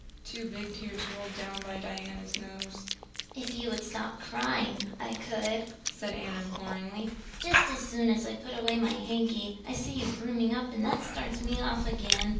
Two big tears rolled down by Diana's nose. "If you would stop crying I could," said Anne imploringly. "Just as soon as I put away my hanky I see you brimming up and that starts me off again.